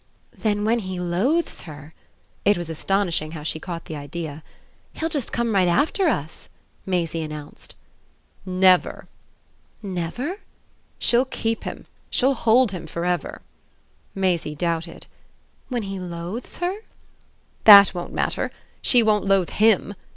"Then when he loathes her" it was astonishing how she caught the idea "he'll just come right after us!" Maisie announced. "Never." "Never?" "She'll keep him. She'll hold him for ever." Maisie doubted. "When he 'loathes' her?" "That won't matter. She won't loathe HIM.